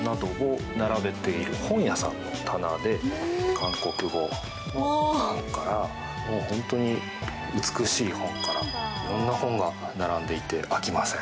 韓国語の本から本当に美しい本から色んな本が並んでいて飽きません。